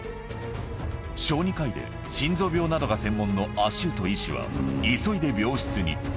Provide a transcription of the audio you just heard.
小児科医で、心臓病などが専門のアシュート医師は、急いで病室に。